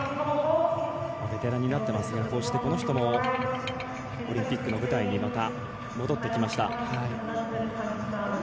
ベテランになってますがこの人もオリンピックの舞台にまた戻ってきました。